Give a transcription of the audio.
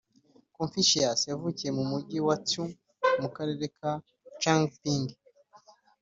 confucius yavukiye mu mugi wa tsou, mu karere ka ch’angping